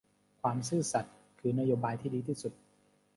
ความซื่อสัตย์คือนโบายที่ดีที่สุด